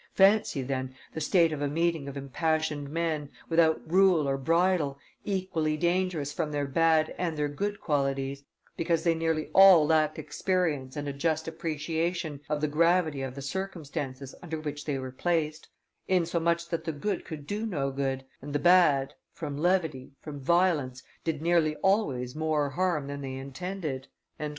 Fancy, then, the state of a meeting of impassioned men, without rule or bridle, equally dangerous from their bad and their good qualities, because they nearly all lacked experience and a just appreciation of the gravity of the circumstances under which they were placed; insomuch that the good could do no good, and the bad, from levity, from violence, did nearly always more harm than they intended."